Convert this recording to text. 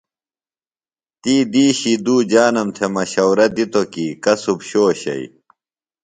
تی دِیشی دُو جانم تھے مشورہ دِتو کی کسُب شو شئی۔